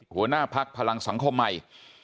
หัวหน้าพักพลังสังคมใหม่